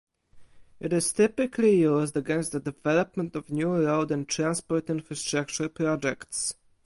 It is typically used against the development of new road and transport infrastructure projects.